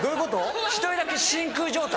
１人だけ真空状態。